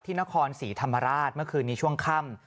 นครศรีธรรมราชเมื่อคืนนี้ช่วงค่ำ